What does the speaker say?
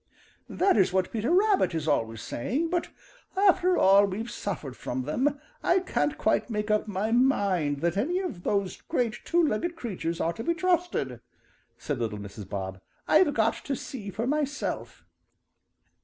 "That is what Peter Rabbit is always saying, but after all we've suffered from them, I can't quite make up my mind that any of those great two legged creatures are to be trusted," said little Mrs. Bob. "I've got to see for myself."